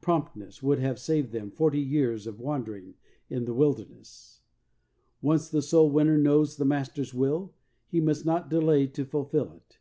Promptness would have saved them forty years of wandering in the wilderness. Once the soul winner knows the Master's will, he must not delay to fulfill it.